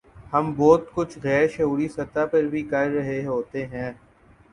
ہم بہت کچھ غیر شعوری سطح پر بھی کر رہے ہوتے ہیں۔